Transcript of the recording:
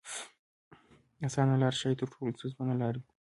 اسانه لار ښايي تر ټولو ستونزمنه لار وي.